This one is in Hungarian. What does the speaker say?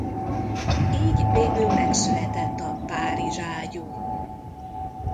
Így végül megszületett a Párizs-ágyú.